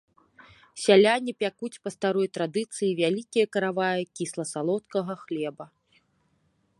Сяляне пякуць па старой традыцыі вялікія караваі кісла-салодкага хлеба.